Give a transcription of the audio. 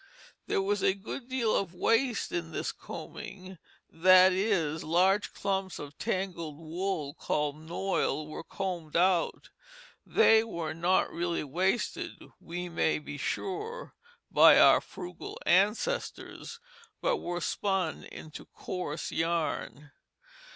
There was a good deal of waste in this combing, that is, large clumps of tangled wool called noil were combed out. They were not really wasted, we may be sure, by our frugal ancestors, but were spun into coarse yarn.